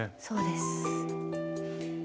そうです。